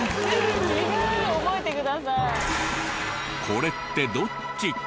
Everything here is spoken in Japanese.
これってどっち？